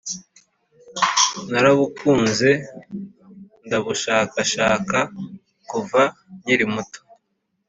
Narabukunze, ndabushakashaka kuva nkiri muto,